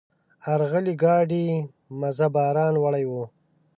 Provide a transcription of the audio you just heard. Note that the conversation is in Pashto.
آر راغلي ګاډي مزه باران وړې وه.